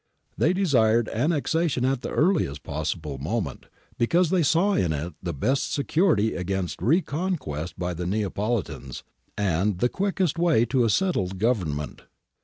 They desired annexation at the earliest possible moment, because they saw in it the best security against reconquest by the Neapolitans and the quickest way to a settled government.